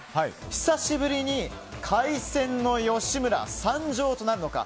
久しぶりに海鮮の吉村、参上となるのか。